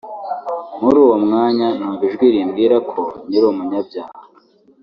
muri uwo mwanya numva ijwi rimbwira ko nkiri umunyabyaha